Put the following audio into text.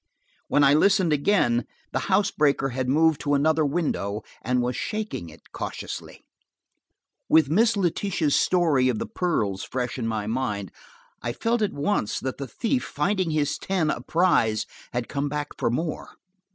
When I listened again, the housebreaker had moved to another window, and was shaking it cautiously. With Miss Letitia's story of the pearls fresh in my mind, I felt at once that the thief, finding his ten a prize, had come back for more.